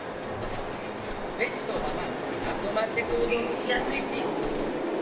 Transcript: れつのまままとまってこうどうもしやすいし。